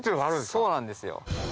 そうなんですよ。